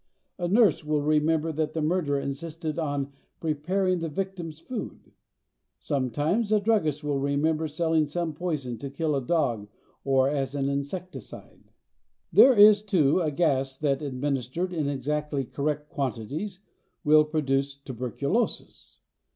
A nurse will remember that the murderer insisted on preparing the victim's food. Sometimes a druggist will remember selling some poison to kill a dog or as an insecticide. There is, too, a gas that administered in exactly correct quantities will produce "tuberculosis."